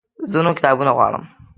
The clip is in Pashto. زه نور کتابونه غواړم